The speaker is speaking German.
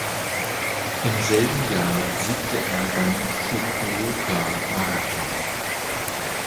Im selben Jahr siegte er beim Fukuoka-Marathon.